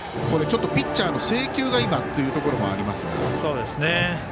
ちょっとピッチャー制球が今というところもありますが。